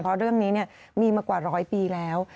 เพราะเรื่องนี้มีมากว่าร้อยปีแล้ว